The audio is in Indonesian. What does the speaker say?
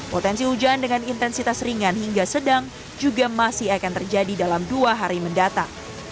potensi hujan dengan intensitas ringan hingga sedang juga masih akan terjadi dalam dua hari mendatang